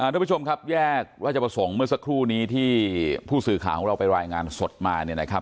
ทุกผู้ชมครับแยกว่าจะประสงค์เมื่อสักครู่นี้ที่พู่สื่อขาของเราไปรายงานสดมา